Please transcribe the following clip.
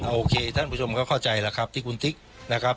โอเคท่านผู้ชมก็เข้าใจแล้วครับที่คุณติ๊กนะครับ